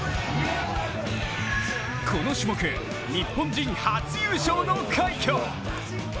この種目、日本人初優勝の快挙。